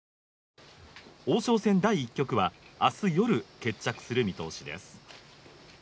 王将戦第１局は明日夜決着する見通しです。